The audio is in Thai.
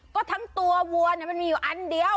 ก็ทั้งตัววัวมันมีอยู่อันเดียว